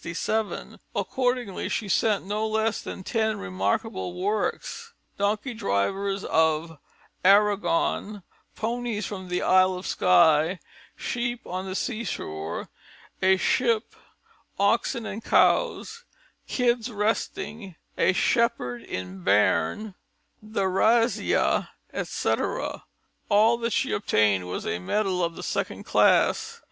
Accordingly, she sent no less than ten remarkable works: Donkey Drivers of Aragon, Ponies From the Isle of Skye, Sheep on the Seashore, A Ship, Oxen and Cows, Kids Resting, A Shepherd in Béarn, The Razzia, etc. All that she obtained was a medal of the second class.